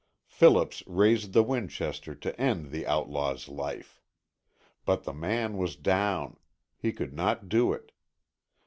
Phillips raised the Winchester to end the outlaw's life. But the man was down. He could not do it.